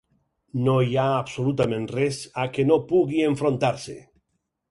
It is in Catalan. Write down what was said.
No hi ha absolutament res a què no pugui enfrontar-se.